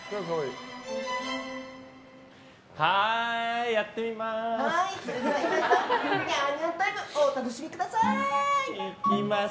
はーい、やってみます。